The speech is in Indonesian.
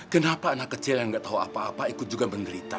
kenapa anak kecil yang nggak tahu apa apa ikut juga menderita